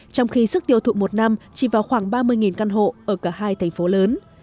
trong khi sức tiêu thụ một năm chỉ vào khoảng ba mươi căn hộ ở cả hai thành phố lớn